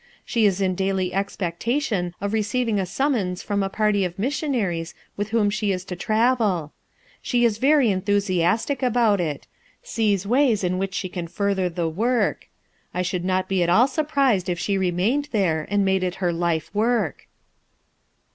She is in daily expectation of receiving a summons from a party of missionaries with whom she is to travel. She is very enthusiastic about it; sees ways in which she can further the work, I should not be at all surprised if she remained there and made it her life, work."